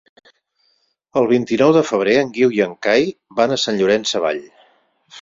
El vint-i-nou de febrer en Guiu i en Cai van a Sant Llorenç Savall.